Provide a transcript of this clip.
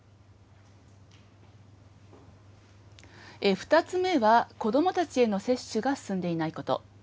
２つ目は、子どもたちへの接種が進んでいないこと。